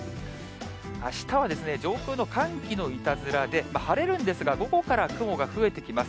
あしたは上空の寒気のいたずらで、晴れるんですが、午後から雲が増えてきます。